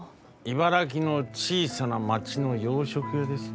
茨城の小さな町の洋食屋です。